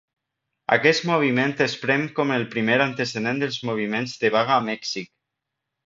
Aquest moviment es pren com el primer antecedent dels moviments de vaga a Mèxic.